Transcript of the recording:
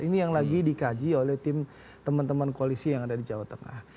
ini yang lagi dikaji oleh tim teman teman koalisi yang ada di jawa tengah